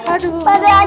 aduh mas silahkan